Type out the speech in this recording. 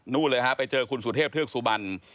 เลยฮะไปเจอคุณสุเทพเทือกสุบัน